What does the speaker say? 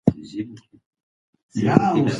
دا د پلار د ژوند مهم مسؤلیت دی.